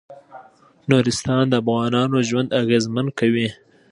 نورستان د افغانانو ژوند اغېزمن کوي.